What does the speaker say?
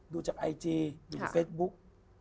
ดูจากไอจีดูจากเฟสบุ๊ค